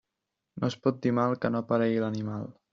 No es pot dir mal que no aparegui l'animal.